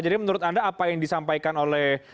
jadi menurut anda apa yang disampaikan oleh